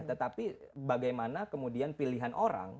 tetapi bagaimana kemudian pilihan orang